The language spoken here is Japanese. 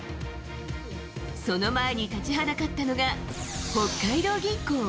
その前に立ちはだかったのが北海道銀行。